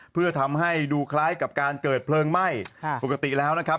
เพื่อทำให้ดูคล้ายกับการเกิดเพลิงไหม้ปกติแล้วนะครับ